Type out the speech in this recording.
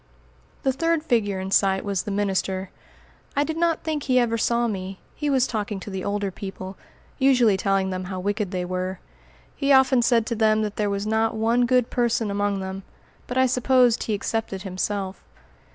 The third figure in sight was the minister. I did not think he ever saw me; he was talking to the older people, usually telling them how wicked they were. He often said to them that there was not one good person among them; but I supposed he excepted himself.